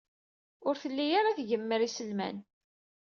Ur telli ara tgemmer iselman.